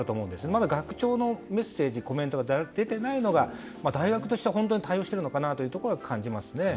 まだ学長のメッセージコメントが出ていないのが大学として本当に対応しているのかなと感じますね。